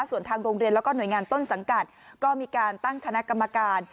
ส่วนทางโรงเรียนแล้วก็หน่วยงานต้นสังกัดก็มีการตั้งคณะกรรมการ